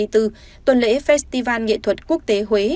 tuần lễ festival nghệ thuật quốc tế huế